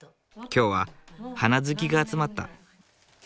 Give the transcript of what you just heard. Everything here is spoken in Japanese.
今日は花好きが集まった。